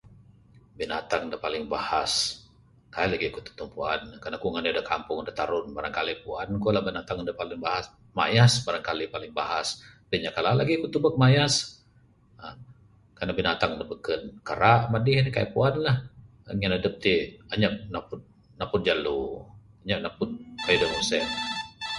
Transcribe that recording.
Binatang da paling bahas, kaik lagih ku tantu puan ne. Ku ngandai da kampung da tarun, barangkali puan ku la binatang da paling bahas. Mayas barangkali paling bahas, tapi nyap kala lagih ku tubek mayas aaa kan ne binatang da beken kara manih ne kaik puan lah. Ngin adep ti anyap napud, napud jalu. Nyap napud kayuh da mung se'en.